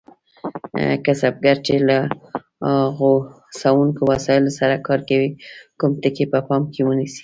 کسبګر چې له غوڅوونکو وسایلو سره کار کوي کوم ټکي په پام کې ونیسي؟